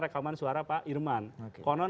rekaman suara pak irman konon